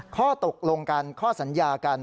ข้อตกลงกันข้อสัญญากัน